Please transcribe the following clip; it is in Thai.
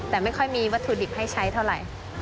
แต่ไม่ค่อยมีวัตถุดิบให้ใช้เท่าไหร่